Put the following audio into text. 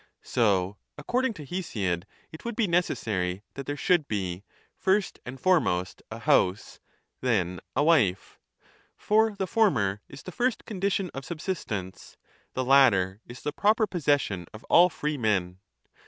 So, according to Hesiod, it would be 20 necessary that there should be First and foremost a house, then a wife l ..., 1 Works and Days, 405. B i343 a OECONOMICA for the former is the first condition of subsistence, the latter is the proper possession of all freemen.